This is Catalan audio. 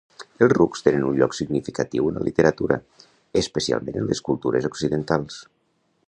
Els rucs tenen un lloc significatiu en la literatura, especialment en les cultures occidentals.